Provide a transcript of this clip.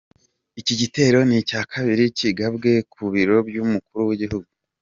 Iki gitero ni icya kabiri kigabwe ku biro by’umukuru w’igihugu.